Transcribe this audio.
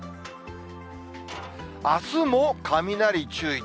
あすも雷注意。